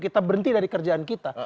kita berhenti dari kerjaan kita